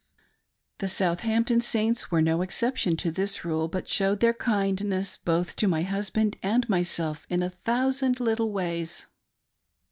The Southampton Saints were no exception to this rule, but showed their kindness both to my husband and myself in a thousand little ways.